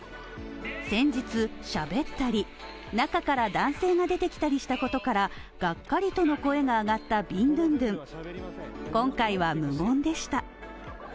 先日しゃべったり中から男性が出てきたりしたことからがっかりとの声が上がったビンドゥンドゥン。